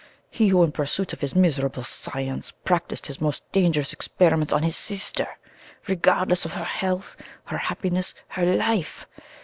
he who in pursuit of his miserable science, practised his most dangerous experiments on his sister, regardless of her health, her happiness, her life!